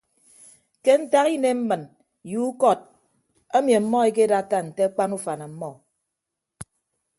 Ke ntak inem mmịn ye ukọt emi ọmmọ ekedatta nte akpan ufan ọmmọ.